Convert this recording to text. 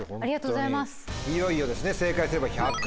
いよいよですね正解すれば。